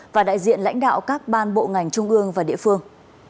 và đại diện lãnh đạo các ban bộ ngành trung ương và địa phương